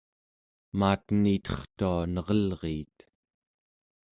maaten itertua nerelriit